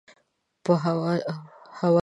په هوس وتخناوه